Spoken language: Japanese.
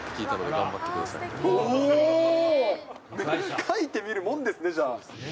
書いてみるもんですね、じゃあ。